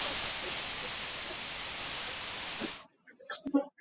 Mah kong hi ka ruat bal lo.